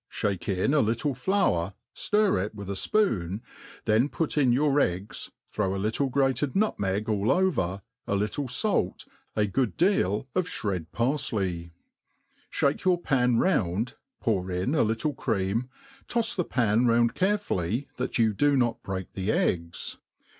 aos melt, fliake in a little fiour^ ftir it with a fpOon* then put itk your eggs,. throw.aJictle.gra^ nutsaeg all over^ a little fait, m good deal.of flired paritej; ihake your pan round, pour in a Uttle cream, toTs the^pan round carefully, that you dd not break the eggs.